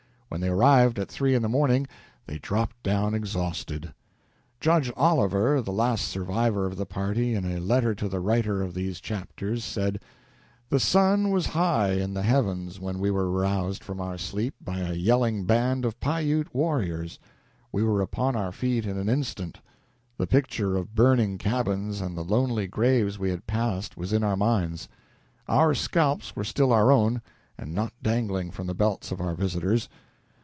When they arrived at three in the morning, they dropped down exhausted. Judge Oliver, the last survivor of the party, in a letter to the writer of these chapters, said: "The sun was high in the heavens when we were aroused from our sleep by a yelling band of Piute warriors. We were upon our feet in an instant. The picture of burning cabins and the lonely graves we had passed was in our minds. Our scalps were still our own, and not dangling from the belts of our visitors.